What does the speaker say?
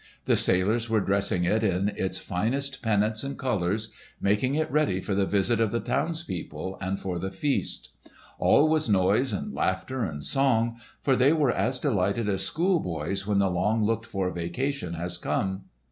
The sailors were dressing it in its finest pennants and colours, making it ready for the visit of the townspeople and for the feast. All was noise and laughter and song, for they were as delighted as schoolboys when the long looked for vacation has come.